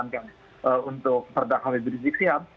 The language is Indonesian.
yang sekarang dijalankan untuk perdakwa berisik siap